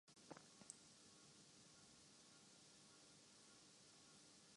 یہی حال ذوالفقار علی بھٹو کا تھا۔